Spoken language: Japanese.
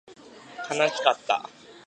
悲しかった